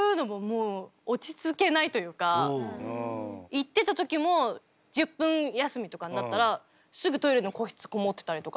行ってた時も１０分休みとかになったらすぐトイレの個室籠もってたりとか１人で。